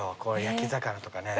焼き魚とかね。